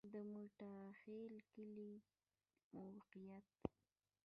د موټاخیل کلی موقعیت